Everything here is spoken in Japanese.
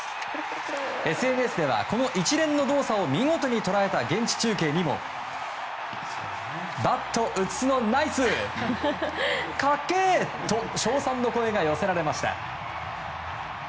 ＳＮＳでは、この一連の動作を見事に捉えた現地中継にもバット映すのナイス！かっけえ！と称賛の声が寄せられました。